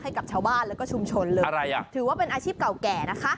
ให้กับชาวบ้านแล้วก็ชุมชนเลยอ่ะถือว่าเป็นอาชีพเก่าแก่นะคะ